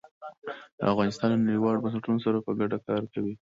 افغانستان له نړیوالو بنسټونو سره په ګډه کار کوي.